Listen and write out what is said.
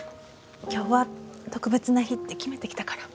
今日は特別な日って決めて来たから。